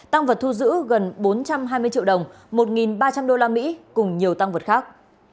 tăng vật thu giữ gần bốn trăm hai mươi triệu đồng một ba trăm linh đô la mỹ cùng nhiều tăng vật khác